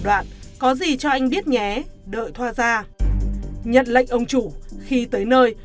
đoạn có gì cho anh biết nhé đợi thoa ra nhận lệnh ông chủ khi tới nơi